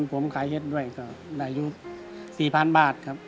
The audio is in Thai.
ผมขายเห็ดด้วยก็ได้อายุ๔๐๐๐บาทครับ